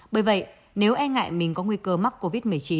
bởi vậy nếu e ngại mình có nguy cơ mắc covid một mươi chín